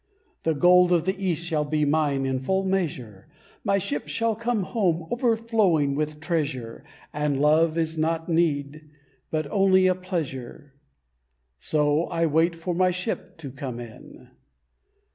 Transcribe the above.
The gold of the East shall be mine in full measure, My ship shall come home overflowing with treasure, And love is not need, but only a pleasure, So I wait for my ship to come in.